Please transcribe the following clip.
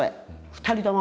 ２人とも。